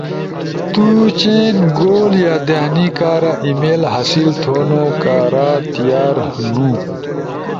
تو چئین گول یادہانی کارا ای میل حاصل تھونو کارا تیار ہنو،